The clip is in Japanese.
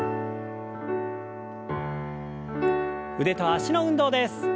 腕と脚の運動です。